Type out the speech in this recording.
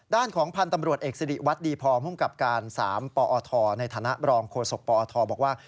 ด้านของพันธ์ตำรวจเอกสิริวัตรดีพอภูมิกับการ๓ปอทในฐานะบรองโฆษกปอทบอกว่า